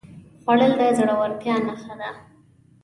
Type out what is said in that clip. خوړل د زړورتیا نښه ده